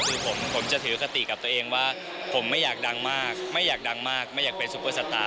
คือผมจะถือคติกับตัวเองว่าผมไม่อยากดังมากไม่อยากดังมากไม่อยากเป็นซุปเปอร์สตาร์